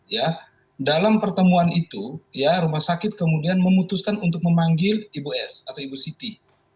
ya dalam pertemuan itu ya rumah sakit kemudian memutuskan untuk memanggil ibu s atau ibu siti